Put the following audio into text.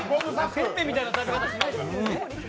せんべいみたいな食べ方してる。